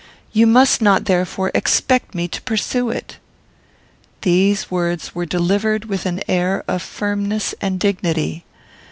You must not, therefore, expect me to pursue it." These words were delivered with an air of firmness and dignity.